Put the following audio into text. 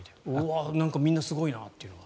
みんなすごいなというのは。